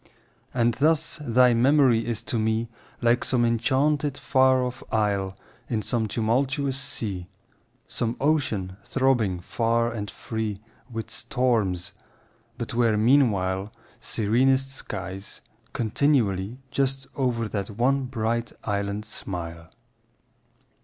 And thus thy memory is to me Like some enchanted far off isle In some tumultuous sea— Some ocean throbbing far and free With storms—but where meanwhile Serenest skies continually Just o'er that one bright island smile.